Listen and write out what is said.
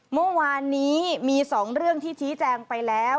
เมื่อวานนี้มี๒เรื่องที่ชี้แจงไปแล้ว